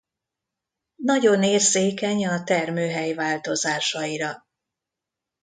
Nagyon érzékeny a termőhely változásaira.